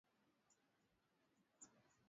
jedwali hili linatoa habari kamili ya ajali